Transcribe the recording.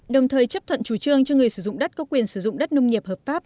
đồng thời chấp thuận chủ trương cho người sử dụng đất có quyền sử dụng đất nông nghiệp hợp pháp